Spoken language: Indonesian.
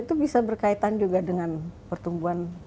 itu bisa berkaitan juga dengan pertumbuhan